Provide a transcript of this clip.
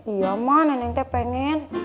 iya ma neneng teh pengen